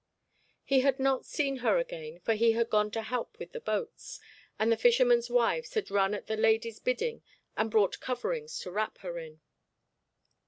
He had not seen her again, for he had gone to help with the boats, and the fishermen's wives had run at the lady's bidding and brought coverings to wrap her in.